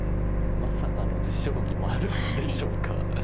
まさかの持将棋もあるんでしょうか。